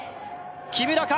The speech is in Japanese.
木村か？